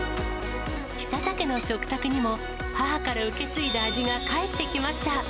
久田家の食卓にも、母から受け継いだ味が帰ってきました。